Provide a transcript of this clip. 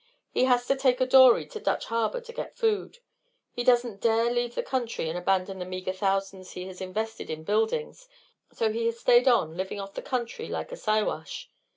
He has to take a dory to Dutch Harbor to get food. He doesn't dare leave the country and abandon the meagre thousands he has invested in buildings, so he has stayed on living off the country like a Siwash.